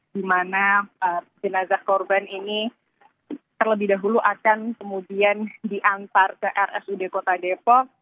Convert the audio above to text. di mana jenazah korban ini terlebih dahulu akan kemudian diantar ke rsud kota depok